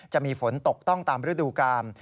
จะมีฝนตกต้องตามฤดูกาล